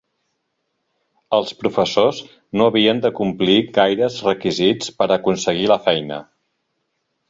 Els professors no havien de complir gaires requisits per aconseguir la feina.